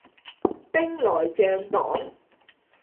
兵來將擋